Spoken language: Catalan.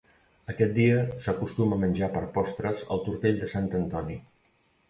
Aquest dia s'acostuma a menjar per postres el Tortell de Sant Antoni.